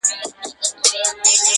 خو په کار د عاشقی کي بې صبري مزه کوینه٫